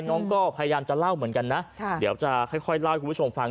น้องก็พยายามจะเล่าเหมือนกันนะเดี๋ยวจะค่อยเล่าให้คุณผู้ชมฟัง